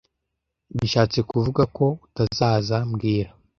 Bishatse kuvuga ko utazaza mbwira